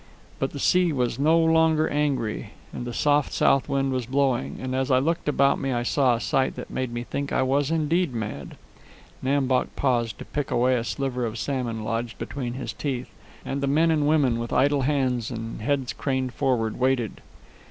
But the sea was no longer angry, and the soft south wind was blowing, and as I looked about me I saw a sight that made me think I was indeed mad." Nam Bok paused to pick away a sliver of salmon lodged between his teeth, and the men and women, with idle hands and heads craned forward, waited.